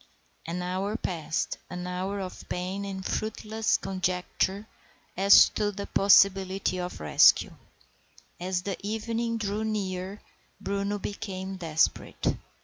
An hour passed, an hour of pain and fruitless conjecture as to the possibility of rescue. As the evening drew near Bruno became desperate.